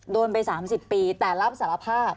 โดนไป๓๐ปีแต่รับสารภาพ